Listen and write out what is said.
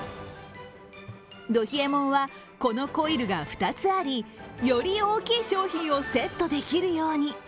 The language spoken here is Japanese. ど冷えもんは、このコイルが２つありより大きい商品をセットできるように。